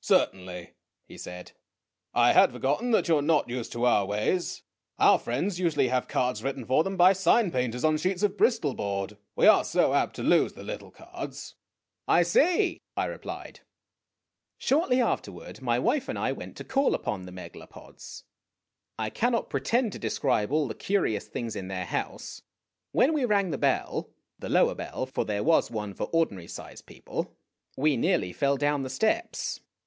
" Certainly," he said; "I had forgotten that you are not used to our ways. Our friends usually have cards written for them by sign painters on sheets of bristol board. We are so apt to lose the little cards." " I see," I replied. 198 IMAGINOTIONS Shortly afterward my wife and I went to call on the Megal opods. I cannot pretend to describe all the curious things in their house. When we rang the bell, the lower bell, for there was one for ordinary sized people, we nearly fell down the steps.